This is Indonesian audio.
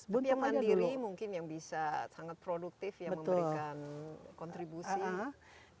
yang mandiri mungkin yang bisa sangat produktif ya memberikan kontribusi